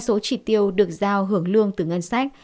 số chỉ tiêu được giao hưởng lương từ ngân sách